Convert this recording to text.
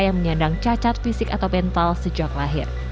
yang menyandang cacat fisik atau mental sejak lahir